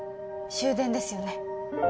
終電ですよね？